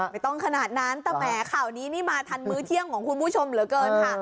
ไม่ต้องขนาดนั้นแต่แหมข่าวนี้นี่มาทันมื้อเที่ยงของคุณผู้ชมเหลือเกินค่ะ